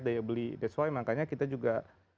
dengan daya beli that's why makanya kita juga